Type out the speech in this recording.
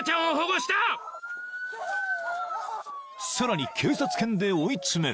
［さらに警察犬で追い詰める。